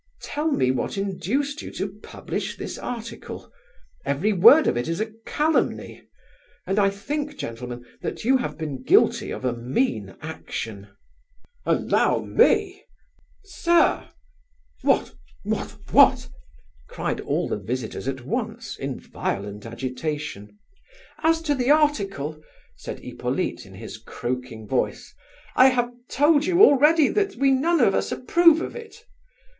Tell me what induced you to publish this article. Every word of it is a calumny, and I think, gentlemen, that you have been guilty of a mean action." "Allow me—" "Sir—" "What? What? What?" cried all the visitors at once, in violent agitation. "As to the article," said Hippolyte in his croaking voice, "I have told you already that we none of us approve of it!